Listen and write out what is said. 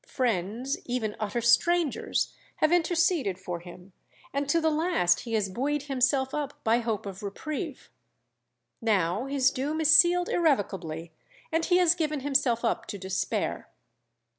Friends, even utter strangers, have interceded for him, and to the last he has buoyed himself up by hope of reprieve. Now his doom is sealed irrevocably, and he has given himself up to despair.